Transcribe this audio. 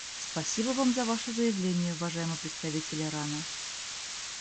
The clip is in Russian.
Спасибо Вам за Ваше заявление, уважаемый представитель Ирана.